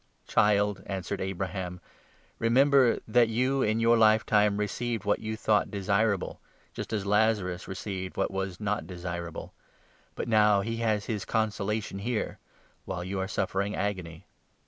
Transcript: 'Child,' answered Abraham, 'remember that you in 25 your lifetime received what you thought desirable, just as Lazarus received what was not desirable ; but now he has his consolation here, while you are suffering agony.